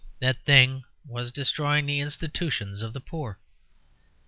That thing was destroying the institutions of the poor.